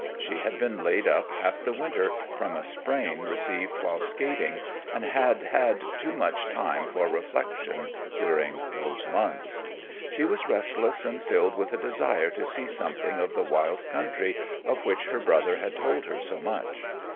She had been laid up half the winter from a sprain received while skating, and had had too much time for reflection during those months. She was restless and filled with a desire to see something of the wild country of which her brother had told her so much.